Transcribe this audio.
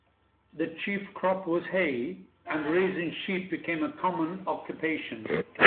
The chief crop was hay, and raising sheep became a common occupation.